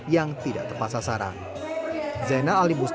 yang tidak tepat sasaran